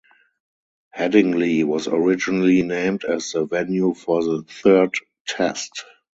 Headingley was originally named as the venue for the third Test.